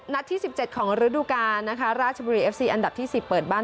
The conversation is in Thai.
นัดที่สิบเจ็ดของฤดุกานะคะราชบุรีเอฟซีอันดับที่สิบเปิดบ้าน